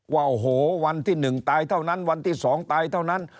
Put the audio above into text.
ว่าโอ้โหวันที่๑ตายเท่านั้นวันที่๒ตายเท่านั้น